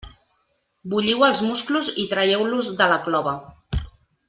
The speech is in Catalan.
Bulliu els musclos i traieu-los de la clova.